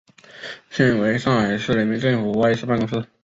现为上海市人民政府外事办公室。